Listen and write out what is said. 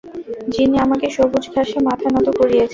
যিনি আমাকে সবুজ ঘাসে মাথা নত করিয়েছেন।